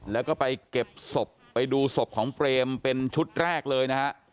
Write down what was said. แล้วก็ไปเก็บศพไปดูศพของเปรมเป็นชุดแรกเลยนะฮะ